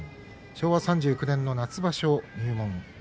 昭和３９年の夏場所入門。